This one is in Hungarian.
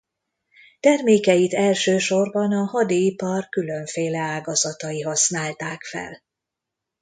Termékeit elsősorban a hadiipar különféle ágazatai használták fel.